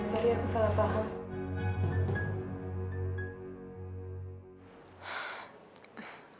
tadi aku salah paham